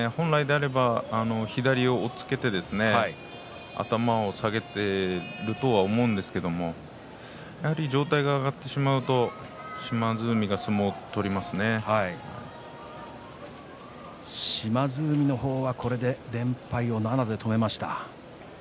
本来だと左を押っつけて頭を下げてと思うんですがやはりちょっと上体が上がってしまうと島津海は島津海の方は、これで連敗を７で止めました。